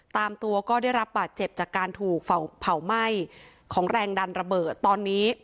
ตามตัวก็ได้รับบาดเจ็บจากการถูกเผาไหม้ของแรงดันระเบิดตอนนี้